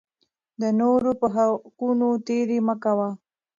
د نورو په حقونو تېری مه کوئ.